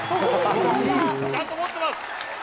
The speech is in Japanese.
ちゃんと持ってます。